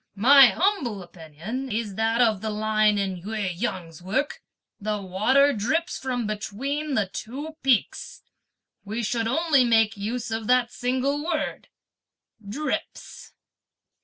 My humble opinion is that of the line in Ou Yang's work, '(the water) drips from between the two peaks,' we should only make use of that single word 'drips.'"